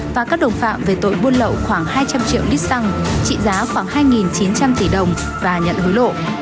và các đồng phạm về tội buôn lậu khoảng hai trăm linh triệu lít xăng trị giá khoảng hai chín trăm linh tỷ đồng và nhận hối lộ